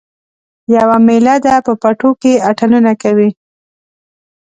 یوه میله ده په پټو کې اتڼونه کوي